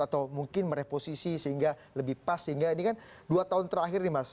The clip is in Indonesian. atau mungkin mereposisi sehingga lebih pas sehingga ini kan dua tahun terakhir nih mas